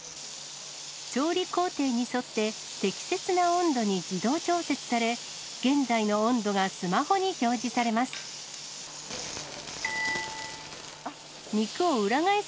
調理工程に沿って、適切な温度に自動調節され、現在の温度がスマホに表示されます。